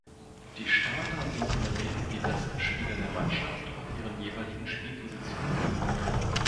Die Starter sind in der Regel die besten Spieler der Mannschaft auf ihren jeweiligen Spielpositionen.